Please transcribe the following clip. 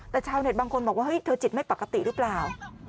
แต่ชาวเน็ตบางคนบอกว่าเฮ้ยเธอจิตไม่ปกติหรือเปล่า